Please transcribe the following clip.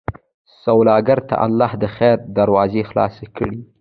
سوالګر ته الله د خیر دروازې خلاصې کړې